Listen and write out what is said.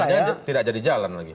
jangan jangan tidak jadi jalan lagi